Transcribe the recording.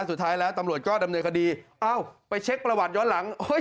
สุดท้ายแล้วตำรวจก็ดำเนินคดีเอ้าไปเช็คประวัติย้อนหลัง